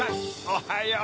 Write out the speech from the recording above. おはよう。